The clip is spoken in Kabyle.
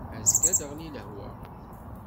Azekka ad d-teɣli lehwa.